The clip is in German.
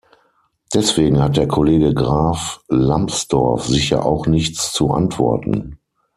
Deswegen hat der Kollege Graf Lambsdorff sicher auch nichts zu antworten.